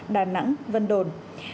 đà nẵng vân đồn